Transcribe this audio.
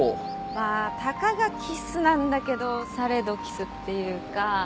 まぁたかがキスなんだけどされどキスっていうか。